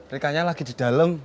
rikanya lagi di dalem